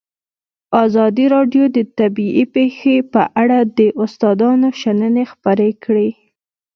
ازادي راډیو د طبیعي پېښې په اړه د استادانو شننې خپرې کړي.